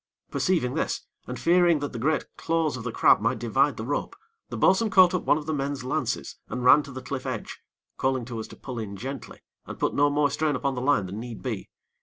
Perceiving this, and fearing that the great claws of the crab might divide the rope, the bo'sun caught up one of the men's lances, and ran to the cliff edge, calling to us to pull in gently, and put no more strain upon the line than need be.